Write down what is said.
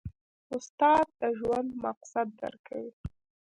استاد د ژوند مقصد درکوي.